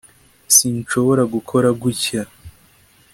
sinshobora gukora gutya